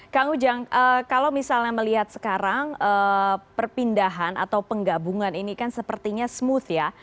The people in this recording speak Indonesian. kang ujang kalau misalnya melihat sekarang perpindahan atau penggabungan ini kan sepertinya smooth ya